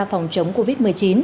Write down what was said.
phòng chống covid một mươi chín